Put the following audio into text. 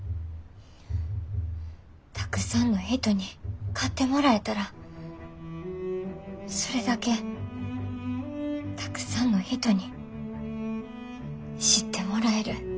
たくさんの人に買ってもらえたらそれだけたくさんの人に知ってもらえる。